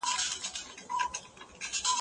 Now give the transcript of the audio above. نظري چوکاټ د څېړنې لپاره اړين دی.